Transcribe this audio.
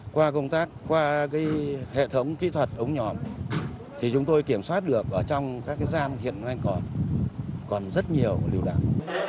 qua công tác qua hệ thống kỹ thuật ống nhòm thì chúng tôi kiểm soát được ở trong các gian hiện nay còn rất nhiều lưu đạn